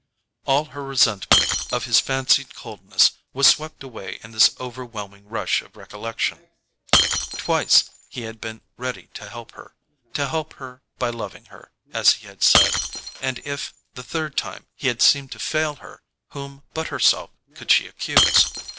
All her resentment of his fancied coldness was swept away in this overwhelming rush of recollection. Twice he had been ready to help her—to help her by loving her, as he had said—and if, the third time, he had seemed to fail her, whom but herself could she accuse?...